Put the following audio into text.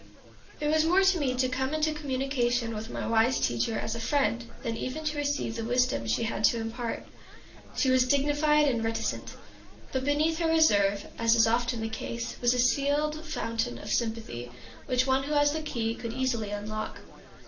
It was more to me to come into communication with my wise teacher as a friend than even to receive the wisdom she had to impart. She was dignified and reticent, but beneath her reserve, as is often the case, was a sealed fountain of sympathy, which one who had the key could easily unlock.